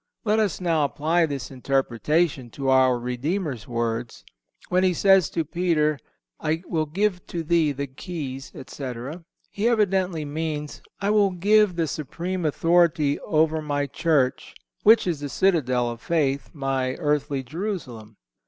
Let us now apply this interpretation to our Redeemer's words. When He says to Peter: "I will give to thee the keys," etc., He evidently means: I will give the supreme authority over My Church, which is the citadel of faith, My earthly Jerusalem.